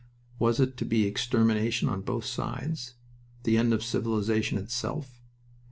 Was it to be extermination on both sides? The end of civilization itself?